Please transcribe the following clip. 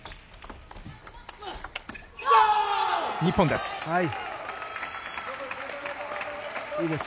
日本です。